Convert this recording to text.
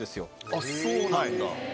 あっ、そうなんだ。